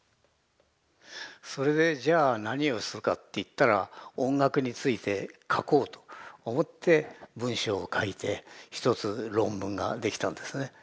それでじゃあ何をするかっていったら音楽について書こうと思って文章を書いて１つ論文ができたんですね。